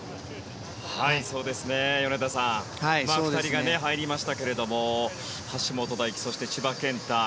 ２人が入りましたが橋本大輝、そして千葉健太。